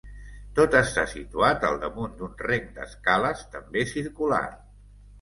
Tot està situat al damunt d'un reng d'escales també circular.